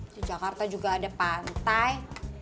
di jakarta juga ada pantai